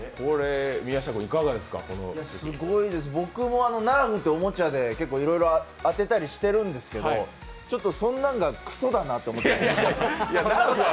すごいですよ、僕もナーフとおもちゃでいろいろ当てたりしてるんですけど、そんなんがクソだなと思って。